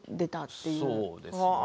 そうですね。